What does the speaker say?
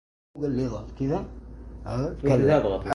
ساجع الشرق طار عن أوكاره